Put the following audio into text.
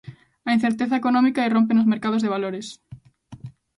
A incerteza económica irrompe nos mercados de valores.